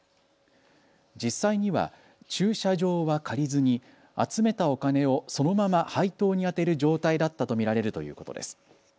実際には駐車場は借りずに集めたお金をそのまま配当に充てる状態だったと見られるということです。